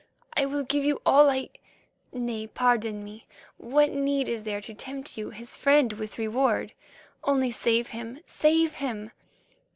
"I will give you all I—nay, pardon me; what need is there to tempt you, his friend, with reward? Only save him, save him."